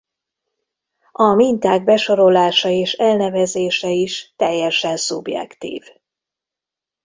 A minták besorolása és elnevezése is teljesen szubjektív.